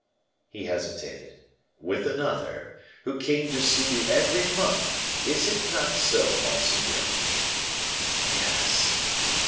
He hesitated. "With another, who came to see you every month is it not so, monseigneur?" "Yes."